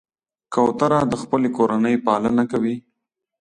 کوتره د خپلې کورنۍ پالنه کوي.